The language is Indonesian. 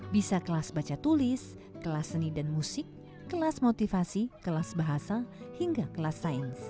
bisa kelas baca tulis kelas seni dan musik kelas motivasi kelas bahasa hingga kelas sains